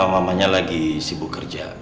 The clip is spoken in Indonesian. mamanya lagi sibuk kerja